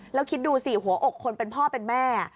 แล้วคิดดูสิหัวอกคนเป็นพ่อเป็นแม่